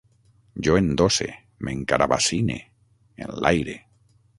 Jo endosse, m'encarabassine, enlaire